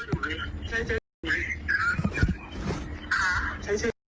รูดน้องเราอ่ะอายุ๒๐ต้นเรียนอ่ะ